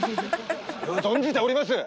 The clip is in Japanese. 存じております。